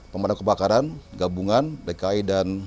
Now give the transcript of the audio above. pemadam kebakaran gabungan dki dan